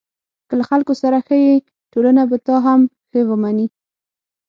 که له خلکو سره ښه یې، ټولنه به تا هم ښه ومني.